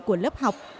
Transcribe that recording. của lớp học